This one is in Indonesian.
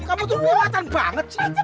kamu tuh niatan banget sih